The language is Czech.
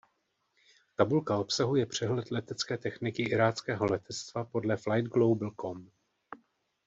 Tabulka obsahuje přehled letecké techniky Iráckého letectva podle Flightglobal.com.